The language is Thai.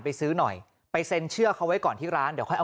ไปซื้อหน่อยไปเซ็นเชื่อเขาไว้ก่อนที่ร้านเดี๋ยวค่อยเอา